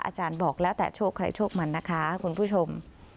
อาจารย์บอกแล้วแต่โชคใครโชคมันนะคะคุณผู้ชม